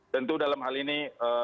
tentu dalam hal ini